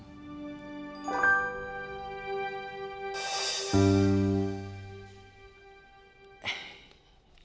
tidak ada yang bisa diberi